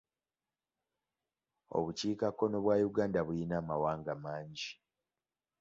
Obukiikakkono bwa Uganda buyina amawanga mangi.